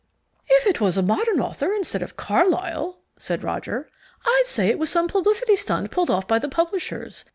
"If it was a modern author, instead of Carlyle," said Roger, "I'd say it was some publicity stunt pulled off by the publishers.